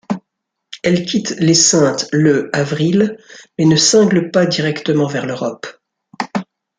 Elle quitte les Saintes le avril, mais ne cingle pas directement vers l'Europe.